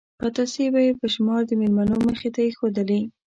پتاسې به یې په شمار د مېلمنو مخې ته ایښودلې.